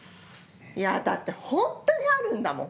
いやだって本当にあるんだもん！